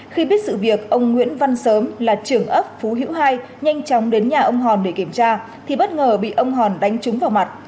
khi biết sự việc ông nguyễn văn sớm là trưởng ấp phú hữu hai nhanh chóng đến nhà ông hòn để kiểm tra thì bất ngờ bị ông hòn đánh trúng vào mặt